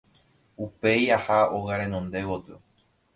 Upéi aha óga renonde gotyo.